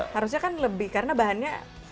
harusnya kan lebih karena bahannya